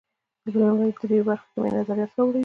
په لومړیو درېیو برخو کې مې نظریات راوړي دي.